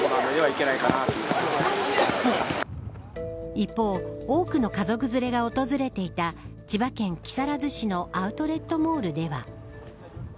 一方、多くの家族連れが訪れていた千葉県木更津市のアウトレットモールでは。